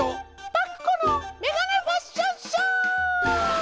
パクこのめがねファッションショー！